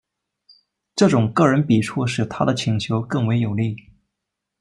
这种个人笔触使他的请求更为有力。